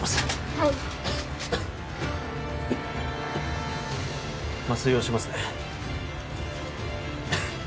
はい麻酔をしますね